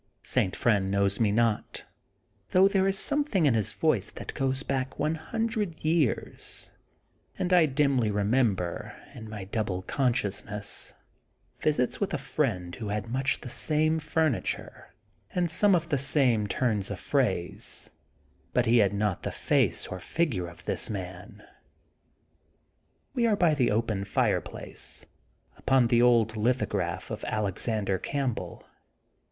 St. Friend knows me not, though there is some thing in his voice that goes back one hundred years, and I dimly remember, in my double consciousness, visits with a friend who had much the same furniture, and some of the same turns of phrase, but he had not the face or figure of this man. We are by the open fireplace, under the old lithograph of Alex ander Campbell.